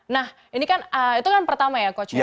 nah itu kan pertama ya coach